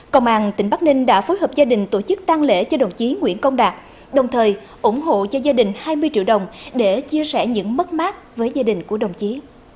công an tỉnh bắc ninh đã phối hợp gia đình tổ chức tăng lễ cho đồng chí nguyễn công đạt đồng thời ủng hộ cho gia đình hai mươi triệu đồng để chia sẻ những mất mát với gia đình của đồng chí